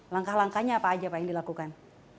langkah langkahnya apa aja pak yang dilakukan